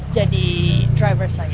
jadi driver saya